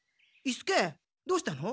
伊助どうしたの？